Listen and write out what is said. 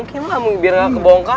iya mungkin lah biar gak kebongkar